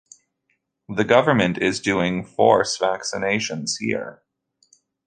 The government is doing force vaccinations here.